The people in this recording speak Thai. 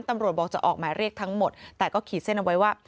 ตำรวจบอกจะออกหมายเรียกทั้งหมดแต่ก็ขีดเส้นเอาไว้ว่า